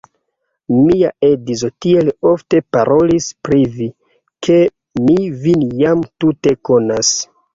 Mia edzo tiel ofte parolis pri vi, ke mi vin jam tute konas.